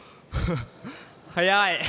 早い。